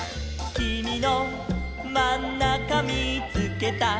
「きみのまんなかみーつけた」